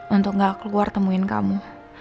untuk gak keluar temuin kamu